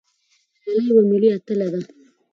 ملالۍ یوه ملي اتله ده.